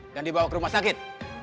dan dibawa ke rumah sakit